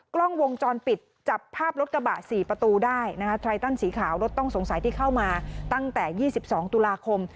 กล้องวงจรปิดจับภาพรถกระบะ๔ประตูได้นะคะไตรตันสีขาวรถต้องสงสัยที่เข้ามาตั้งแต่๒๒ตุลาคม